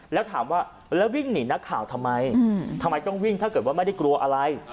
แล้วถามว่าแล้ววิ่งหนีนักข่าวทำไมทำไมต้องวิ่งถ้าเกิดว่าไม่ได้กลัวอะไร